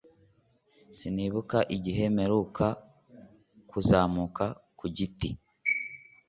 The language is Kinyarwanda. Sinibuka igihe mperuka kuzamuka ku giti.